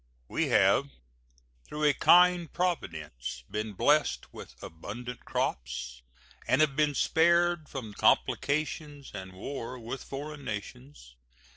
We have, through a kind Providence, been blessed with abundant crops, and have been spared from complications and war with foreign nations.